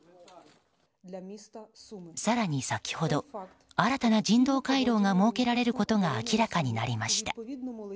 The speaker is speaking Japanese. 更に先ほど、新たな人道回廊が設けられることが明らかになりました。